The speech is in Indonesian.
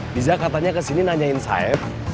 bisa katanya kesini nanyain saya